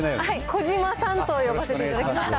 児嶋さんと呼ばせていただきました。